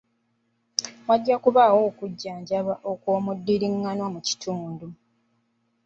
Wajja kubaawo okujjanjaba okw'omuddiringanwa mu kitundu.